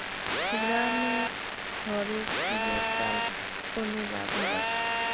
গ্রামের ঘরের টিনের চালের কোণে বাসা বাঁধে।